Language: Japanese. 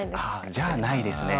じゃあないですね。